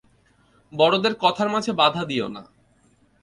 বড়দের কথার মাঝে বাধা দিও না।